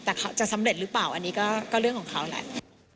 แต่เขาจะสำเร็จหรือเปล่าอันนี้ก็เรื่องของเขาแหละ